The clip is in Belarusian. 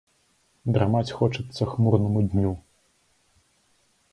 Драмаць хочацца хмурнаму дню.